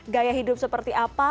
gaya hidup seperti apa